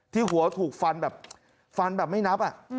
ที่หัวถูกฟันแบบไม่นับ